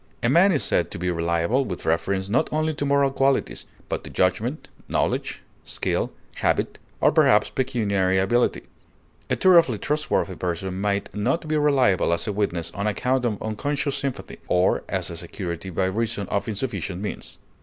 A man is said to be reliable with reference not only to moral qualities, but to judgment, knowledge, skill, habit, or perhaps pecuniary ability; a thoroughly trustworthy person might not be reliable as a witness on account of unconscious sympathy, or as a security by reason of insufficient means.